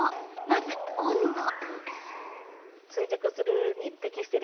まず温度。